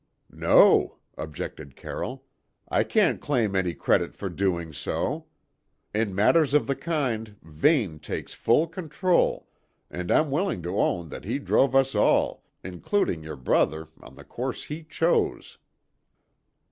"No," objected Carroll, "I can't claim any credit for doing so. In matters of the kind, Vane takes full control, and I'm willing to own that he drove us all, including your brother, on the course he chose."